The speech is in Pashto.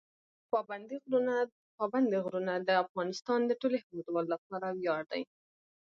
پابندي غرونه د افغانستان د ټولو هیوادوالو لپاره ویاړ دی.